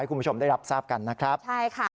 คุณผู้ชมได้รับทราบกันนะครับใช่ค่ะ